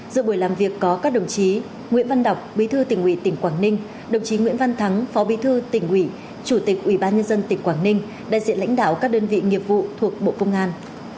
giữa buổi làm việc có các đồng chí nguyễn văn đọc bí thư tỉnh ủy tỉnh quảng ninh đồng chí nguyễn văn thắng phó bí thư tỉnh ủy chủ tịch ủy ban nhân dân tỉnh quảng ninh đại diện lãnh đạo các đơn vị nghiệp vụ thuộc bộ công an